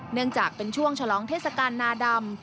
เนื่องจากเป็นช่วงฉลองเทศกาลนาดำ